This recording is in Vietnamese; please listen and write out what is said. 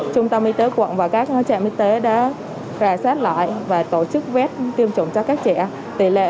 trung tâm y tế quận và các hỗ trợ y tế đã ra xét lại và tổ chức vét tiêm chủng cho các trẻ tỷ lệ